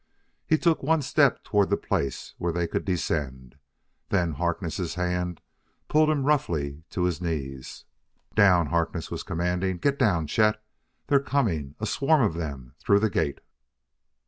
He took one step toward the place where they could descend; then Harkness' hand pulled him roughly to his knees. "Down!" Harkness was commanding; "get down, Chet! They're coming a swarm of them through the gate!"